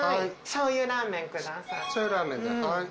しょうゆラーメンではい。